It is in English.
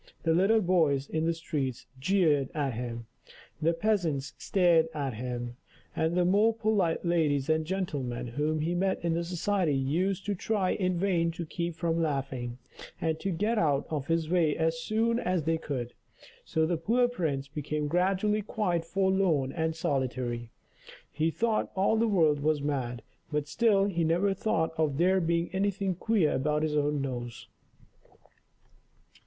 The little boys in the streets jeered at him, the peasants stared at him, and the more polite ladies and gentlemen whom he met in society used to try in vain to keep from laughing, and to get out of his way as soon as they could. So the poor prince became gradually quite forlorn and solitary; he thought all the world was mad, but still he never thought of there being anything queer about his own nose.